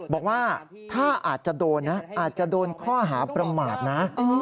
บอกว่าถ้าอาจจะโดนนะอาจจะโดนข้อหาประมาทนะ